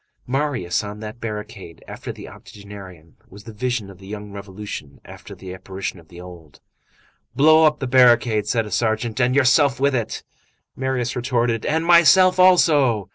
Marius on that barricade after the octogenarian was the vision of the young revolution after the apparition of the old. "Blow up the barricade!" said a sergeant, "and yourself with it!" Marius retorted: "And myself also."